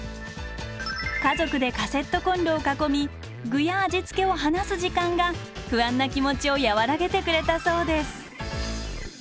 家族でカセットコンロを囲み具や味付けを話す時間が不安な気持ちを和らげてくれたそうです。